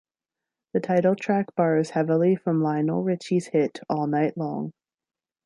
The title track borrows heavily from Lionel Ritchie's hit All Night Long.